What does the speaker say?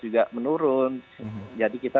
juga menurun jadi kita